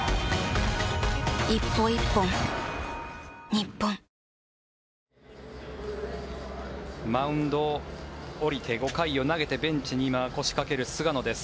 ニトリマウンドを降りて５回を投げてベンチに今、腰かける菅野です。